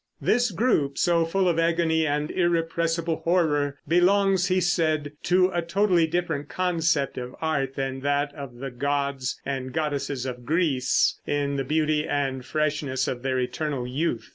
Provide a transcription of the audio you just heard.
This group, so full of agony and irrepressible horror, belongs, he said, to a totally different concept of art from that of the gods and goddesses of Greece, in the beauty and freshness of their eternal youth.